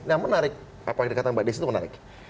yang menarik apa yang dikatakan mbak des itu menarik